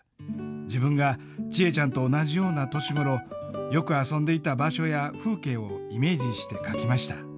自分がチエちゃんと同じような年頃よく遊んでいた場所や風景をイメージして描きました。